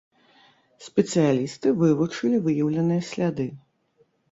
Спецыялісты вывучылі выяўленыя сляды.